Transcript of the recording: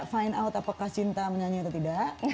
bisa find out apakah cinta bernyanyi atau tidak